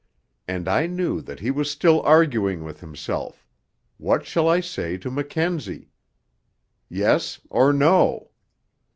And I knew that he was still arguing with himself, 'What shall I say to Mackenzie? Yes or No?'